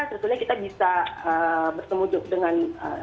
tentunya kita bisa bertemu dengan